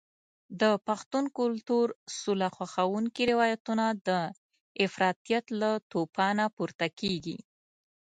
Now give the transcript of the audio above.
د پښتون کلتور سوله خوښونکي روایتونه د افراطیت له توپانه پورته کېږي.